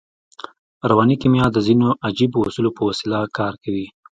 رواني کیمیا د ځينو عجیبو اصولو په وسیله کار کوي